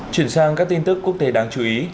chuyển sang các tin tức quốc tế đáng chú ý